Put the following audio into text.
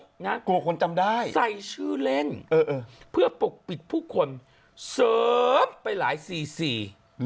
กลัวคนจำได้ใส่ชื่อเล่นเออเพื่อปกปิดผู้คนเสริมไปหลายซีซี